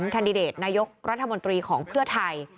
แคนดิเดตนายกรัฐมนตรีของเพื่อไทย